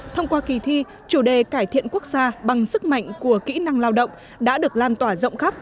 thông qua kỳ thi chủ đề cải thiện quốc gia bằng sức mạnh của kỹ năng lao động đã được lan tỏa rộng khắp